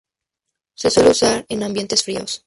Se suele usar en ambientes fríos.